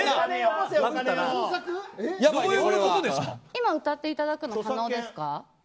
今、歌っていただくのは可能ですか。